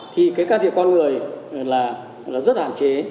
thì cái ca thiệt con người là rất hạn chế